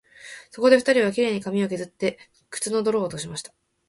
そこで二人は、綺麗に髪をけずって、靴の泥を落としました